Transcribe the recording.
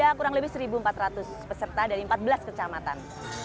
ada kurang lebih satu empat ratus peserta dari empat belas kecamatan